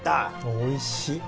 おいしい。